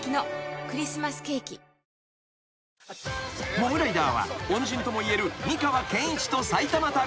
［モグライダーは恩人ともいえる美川憲一と埼玉旅］